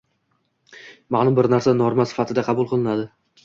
– ma’lum bir narsa norma sifatida qabul qilinadi